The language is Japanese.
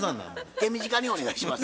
手短にお願いします。